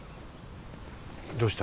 どうした？